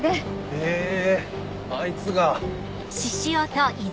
へぇあいつが。